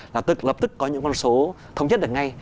là lập tức có những con số thống nhất được ngay